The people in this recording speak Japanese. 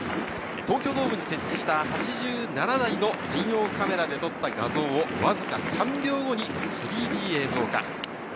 東京ドームに設置した８７台の専用カメラで撮った画像をわずか３秒後に３Ｄ映像化。